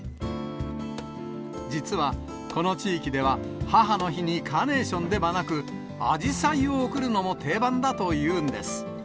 実は、この地域では、母の日にカーネーションではなく、あじさいを贈るのも定番だというんです。